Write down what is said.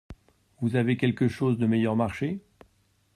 Vous avez quelque chose de meilleur marché ?